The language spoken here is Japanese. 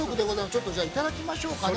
ちょっとじゃあ、いただきましょうか。